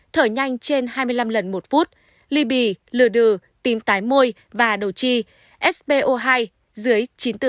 thở nhanh trên hai mươi năm lần một phút ly bì lừa đừ tím tái môi và đầu chi spo hai dưới chín mươi bốn